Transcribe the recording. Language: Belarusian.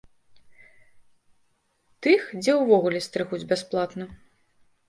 Тых, дзе ўвогуле стрыгуць бясплатна.